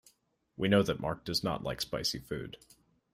We know that Mark does not like spicy food.